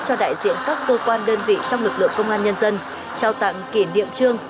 cho đại diện các cơ quan đơn vị trong lực lượng công an nhân dân trao tặng kỷ niệm trương